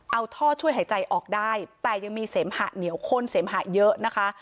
เอาท่อช่วยหายใจออกได้แต่ยังมีเสมหะเหนียวข้นเสมหะเยอะนะคะ